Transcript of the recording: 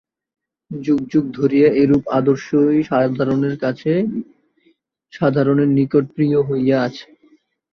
যুগ যুগ ধরিয়া এইরূপ আদর্শই সাধারণের নিকট প্রিয় হইয়া আছে।